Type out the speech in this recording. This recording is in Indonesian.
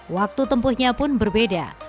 waktu tempuhnya pun berbeda